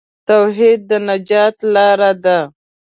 توحید د نجات لار ده.